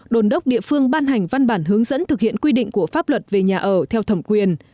đồn đốc địa phương ban hành văn bản hướng dẫn thực hiện quy định của pháp luật về nhà ở theo thẩm quyền